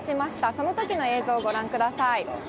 そのときの映像をご覧ください。